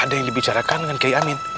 ada yang dibicarakan dengan kiai amin